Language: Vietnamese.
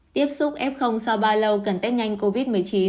tiếp xúc f sau bao lâu cần test nhanh covid một mươi chín